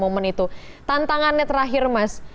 momen itu tantangannya terakhir mas